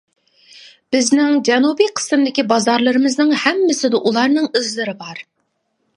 بىزنىڭ جەنۇبى قىسىمدىكى بازارلىرىمىزنىڭ ھەممىسىدە ئۇلارنىڭ ئىزلىرى بار.